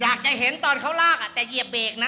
อยากจะเห็นตอนเขาลากแต่เหยียบเบรกนะ